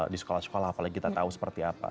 di sekolah sekolah apalagi kita tahu seperti apa